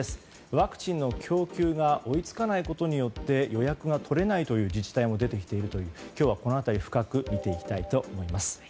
ワクチンの供給が追いつかないことによって予約が取れないという自治体も出てきているという今日はこの辺り深く見ていきたいと思います。